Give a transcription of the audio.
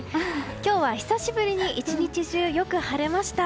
今日は久しぶりに１日中よく晴れました。